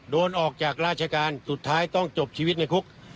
โดนออกจากราชการสุดท้ายต้องจบชีวิตในคุก